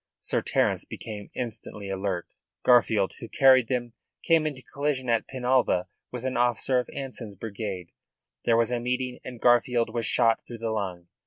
Sir Terence became instantly alert. "Garfield, who carried them, came into collision at Penalva with an officer of Anson's Brigade. There was a meeting, and Garfield was shot through the lung.